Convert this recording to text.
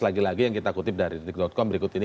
lagi lagi yang kita kutip dari detik com berikut ini